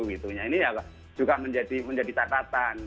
ini juga menjadi tatatan